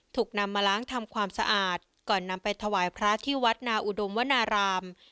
ถูกนำมาล้างทำความสะอาดก่อนนำไปถวายพระที่วัดนาอุดมวนาราม